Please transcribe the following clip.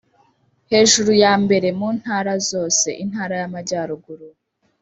hejuru ya mbere mu ntara zose Intara y amajyaruguru